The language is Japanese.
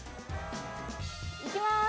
いきます。